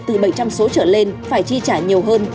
từ bảy trăm linh số trở lên phải chi trả nhiều hơn